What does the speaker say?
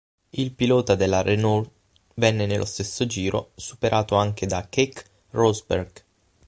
Il pilota della Renault venne, nello stesso giro, superato anche da Keke Rosberg.